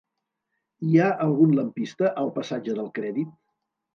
Hi ha algun lampista al passatge del Crèdit?